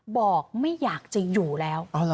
บอกไม่อยากจะอยู่แล้ว